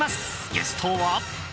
ゲストは。